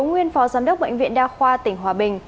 nguyên phó giám đốc bệnh viện đa khoa tỉnh hòa bình